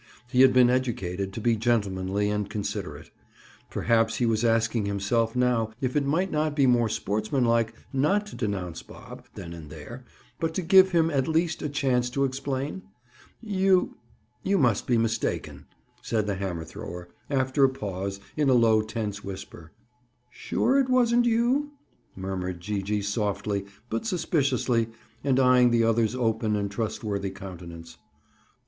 He had been educated to be gentlemanly and considerate. Perhaps he was asking himself now if it might not be more sportsmanlike not to denounce Bob, then and there, but to give him, at least, a chance to explain? "You—you must be mistaken," said the hammer thrower, after a pause, in a low tense whisper. "You're sure it wasn't you?" murmured Gee gee softly but suspiciously and eying the other's open and trustworthy countenance.